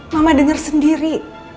mama denger sendiri